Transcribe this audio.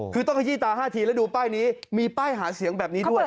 คือต้องขยี้ตา๕ทีแล้วดูป้ายนี้มีป้ายหาเสียงแบบนี้ด้วย